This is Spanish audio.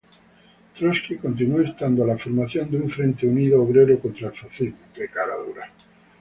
Trotsky continuó instando a la formación de un frente unido obrero contra el fascismo.